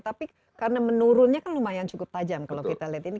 tapi karena menurunnya kan lumayan cukup tajam kalau kita lihat ini